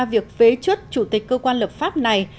việc phế chuất chủ tịch cơ quan lập pháp này